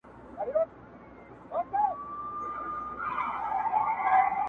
ماته دي د سر په بيه دوه جامه راکړي دي,